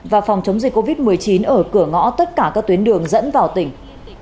và phòng chống dịch covid một mươi chín ở cửa ngõ tất cả các tuyến đường dẫn vào tỉnh